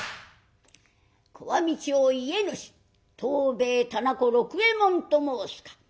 「小網町家主藤兵衛店子六右衛門と申すか？